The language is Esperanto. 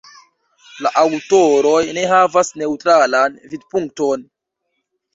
La aŭtoroj ne havas neŭtralan vidpunkton.